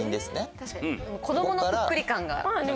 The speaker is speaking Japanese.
確かに子供のぷっくり感が。